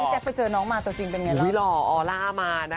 หูแจ๊กมาเจอน้องตัวเองมาตัวจริงเป็นอย่างไร